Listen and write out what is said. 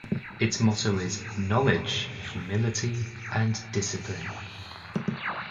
Its motto is "Knowledge, Humility and Discipline".